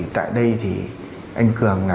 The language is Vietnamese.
tại đây thì anh cường